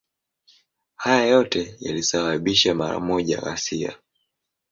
Hayo yote yalisababisha mara moja ghasia.